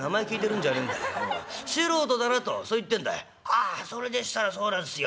「ああそれでしたらそうなんすよ。